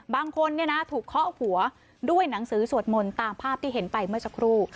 บางคนถูกเคาะหัวด้วยหนังสือสวดมนต์ตามภาพที่เห็นไปเมื่อสักครู่